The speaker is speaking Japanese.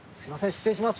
失礼します。